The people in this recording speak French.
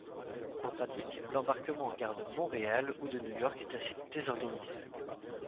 En pratique, l'embarquement en gare de Montréal ou de New York est assez désorganisé.